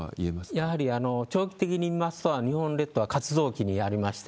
やはり長期的に見ますと、日本列島は活動期にありまして、